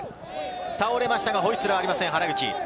倒れましたがホイッスルはありません、原口。